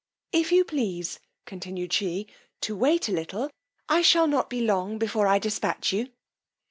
If you please, continued she, to wait a little, I shall not be long before I dispatch you.